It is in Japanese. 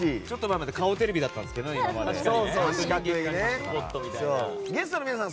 ちょっと前まで顔がテレビだったんですけどね。